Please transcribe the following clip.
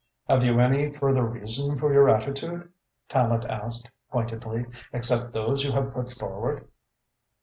"Have you any further reason for your attitude," Tallente asked pointedly, "except those you have put forward?"